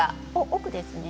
奥ですね